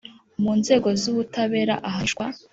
mu nzego z ubutabera ahanishwa